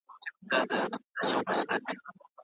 زوی یې د مغولو خوا ونیوه